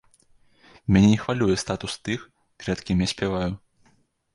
Мяне не хвалюе статус тых, перад кім я спяваю.